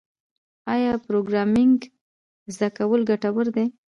آیا پروګرامینګ زده کول ګټور دي؟